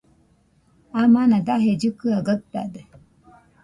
Amana daje llɨkɨaɨ gaɨtade